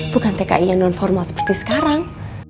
bukan tki yang non formal seperti sekarang